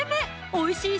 おいしい